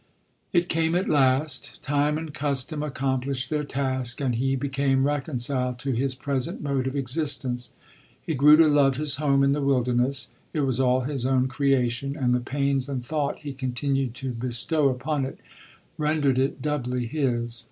It came at last. Time and custom accom plished their task, and he became reconciled to his present mode of existence. He grew to love his home in the wilderness. It was all his own creation, and the pains and thought he con tinued to bestow upon it, rendered it doubly his.